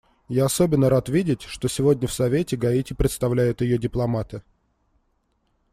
Я особенно рад видеть, что сегодня в Совете Гаити представляют ее дипломаты.